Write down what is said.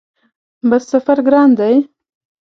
بس سفر ګران دی؟